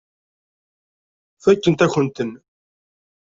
Fakkent-ak-ten.